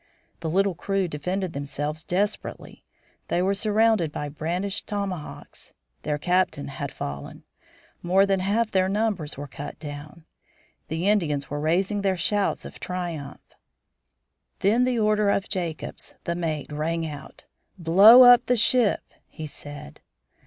The little crew defended themselves desperately; they were surrounded by brandished tomahawks; their captain had fallen; more than half their number were cut down. The Indians were raising their shout of triumph. Then the order of Jacobs, the mate, rang out: "Blow up the ship!" he said.